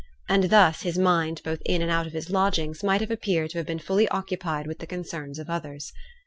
And thus his mind both in and out of his lodgings might have appeared to have been fully occupied with the concerns of others.